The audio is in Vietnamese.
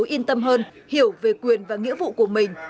yên tâm hơn hiểu về quyền và nghĩa vụ của mình